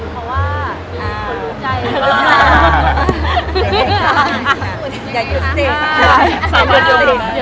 เพราะว่าจริงผมรู้ใจ